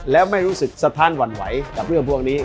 แล้วไม่รู้สึกสะท้านหวั่นไหวกับเรื่องพวกนี้